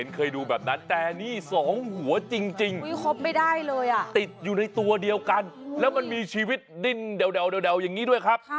เค้าว่ากันว่าจิ้งจกตัวนี้มันมี๒หัว